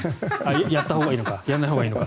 やったほうがいいのかやらないほうがいいのか。